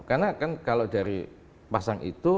karena kan kalau dari pasang itu